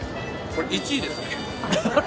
これは１位ですね。